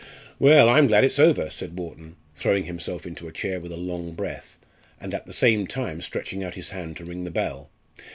"Well, I'm glad it's over," said Wharton, throwing himself into a chair with a long breath, and at the same time stretching out his hand to ring the bell.